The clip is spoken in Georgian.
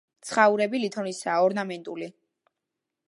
ცხაურები ლითონისაა, ორნამენტული.